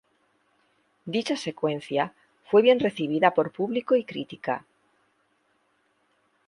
Dicha secuencia fue bien recibida por público y crítica.